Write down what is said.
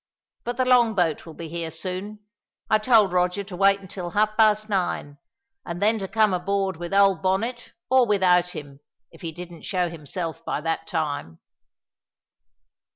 But the long boat will be here soon. I told Roger to wait until half past nine, and then to come aboard with old Bonnet or without him, if he didn't show himself by that time."